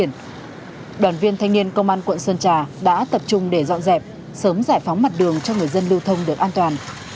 đoàn viên thanh niên công an quận sơn trà đã tập trung để dọn dẹp sớm giải phóng mặt đường cho người dân lưu thông được an toàn